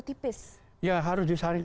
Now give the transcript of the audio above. tipis ya harus disaring